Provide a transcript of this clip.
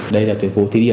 đây là tuyến phố thi địa